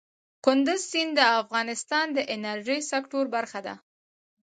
کندز سیند د افغانستان د انرژۍ سکتور برخه ده.